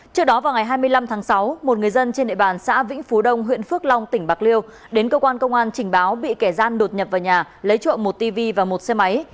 trước đó vào ngày hai mươi năm tháng sáu một người dân trên địa bàn xã vĩnh phú đông huyện phước long tỉnh bạc liêu đến cơ quan công an trình báo bị kẻ gian đột nhập vào nhà lấy trộm một tv và một xe máy